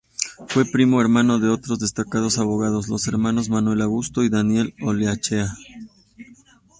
Fue primo hermano de otros destacados abogados, los hermanos Manuel Augusto y Daniel Olaechea.